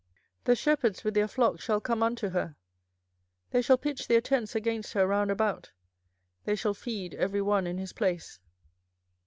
24:006:003 The shepherds with their flocks shall come unto her; they shall pitch their tents against her round about; they shall feed every one in his place.